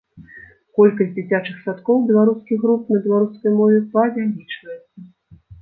Колькасць дзіцячых садкоў, беларускіх груп на беларускай мове павялічваецца.